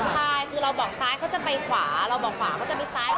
ใช่คือเราบอกซ้ายเขาจะไปขวาเราบอกขวาเขาจะไปซ้าย